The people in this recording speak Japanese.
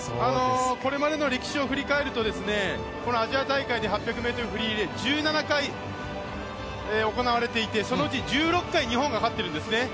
これまでの歴史を振り返ると、このアジア大会で８００ｍフリーリレー、１７回行われていて、そのうち１６回日本が勝ってるんですね。